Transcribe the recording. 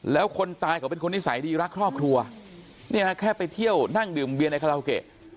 แล้วคนตายเขาเป็นคนนิสัยดีรักครอบครัวเนี่ยแค่ไปเที่ยวนั่งดื่มเบียนในคาราโอเกะ